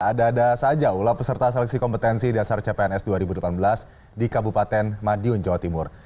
ada ada saja ulah peserta seleksi kompetensi dasar cpns dua ribu delapan belas di kabupaten madiun jawa timur